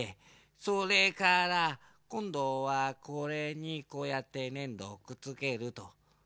それからこんどはこれにこうやってねんどをくっつけると。ね。